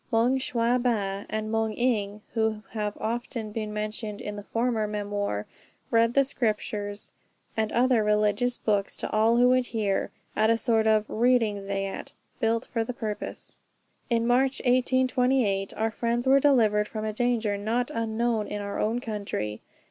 Moung Shwa ba and Moung Ing, who have often been mentioned in the former memoir, read the Scriptures and other religious books to all who would hear, at a sort of reading zayat, built for the purpose. In March, 1828, our friends were delivered from a danger not unknown in our own country.